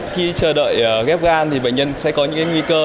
khi chờ đợi ghép gan thì bệnh nhân sẽ có những nguy cơ